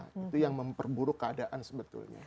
itu yang memperburuk keadaan sebetulnya